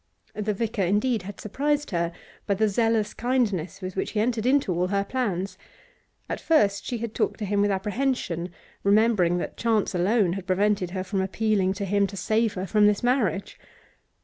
The vicar, indeed, had surprised her by the zealous kindness with which he entered into all her plans; at first she had talked to him with apprehension, remembering that chance alone had prevented her from appealing to him to save her from this marriage.